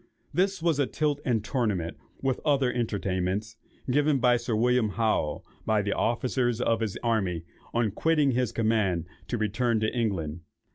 This was a tilt and tournament, with other entertainments, given to Sir William Howe, by the officers of his army, on quitting his command to return to England.